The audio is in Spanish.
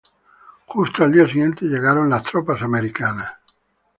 Justo al día siguiente, llegaron las tropas americanas.